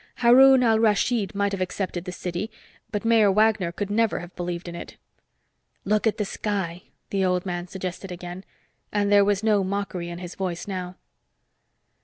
Haroun al Rashid might have accepted the city, but Mayor Wagner could never have believed in it. "Look at the sky," the old man suggested again, and there was no mockery in his voice now.